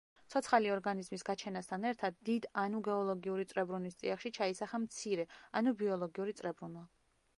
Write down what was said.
ცოცხალი ორგანიზმის გაჩენასთან ერთად, დიდ ანუ გეოლოგიური წრებრუნვის წიაღში ჩაისახა მცირე, ანუ ბიოლოგიური წრებრუნვა.